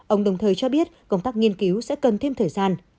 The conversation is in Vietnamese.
ông đồng thời cho biết công tác nghiên cứu sẽ cần thêm thời gian